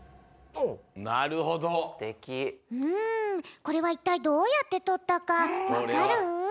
これはいったいどうやってとったかわかる？